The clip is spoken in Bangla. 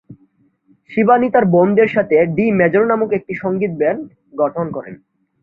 শিবানী তার বোনদের সাথে ডি-মেজর নামক একটি সঙ্গীত ব্যান্ড গঠন করেন।